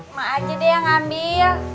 mak aja deh yang ambil